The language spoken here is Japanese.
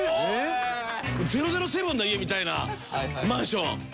００７の家みたいなマンション。